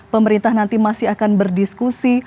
pemerintah nanti masih akan berdiskusi